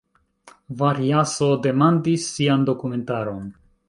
Variaso demandis sian dokumentaron.